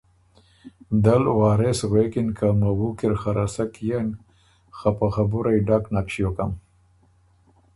دۀ ل وارث غوېکِن که مَوُو کی ر خه رسک يېن خه په خبُرئ ډک نک ݭیوکم